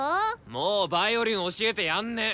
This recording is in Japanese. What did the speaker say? もうヴァイオリン教えてやんねぇ。